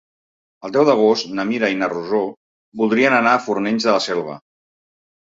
El deu d'agost na Mira i na Rosó voldrien anar a Fornells de la Selva.